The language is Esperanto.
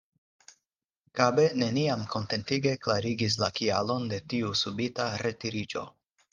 Kabe neniam kontentige klarigis la kialon de tiu subita retiriĝo.